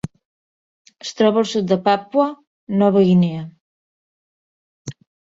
Es troba al sud de Papua Nova Guinea.